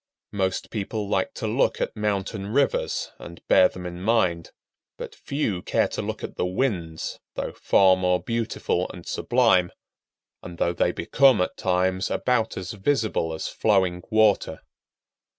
Most people like to look at mountain rivers, and bear them in mind; but few care to look at the winds, though far more beautiful and sublime, and though they become at times about as visible as flowing water.